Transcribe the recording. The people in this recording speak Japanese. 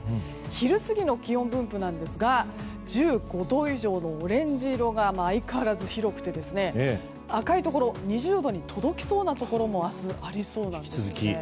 昼過ぎの気温分布ですが１５度以上のオレンジ色が相変わらず広くて、赤いところ２０度に届きそうなところも明日、ありそうなんです。